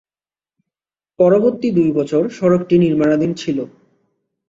পরবর্তী দুই বছর সড়কটি নির্মাণাধীন ছিল।